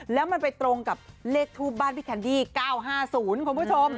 แล้วมันไปตรงกับเลขทูปบ้านพี่แคนดี้๙๕๐คุณผู้ชม